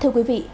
thưa quý vị